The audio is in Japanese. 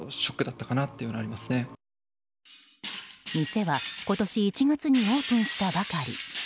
店は今年１月にオープンしたばかり。